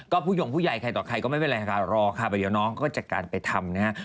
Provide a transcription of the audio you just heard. ก็ผู้ยงผู้ใหญ่ใครต่อใครก็ไม่เป็นไรค่ะรอค่ะเดี๋ยวน้องก็จัดการไปทำนะฮะ